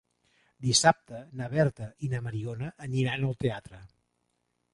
Dissabte na Berta i na Mariona aniran al teatre.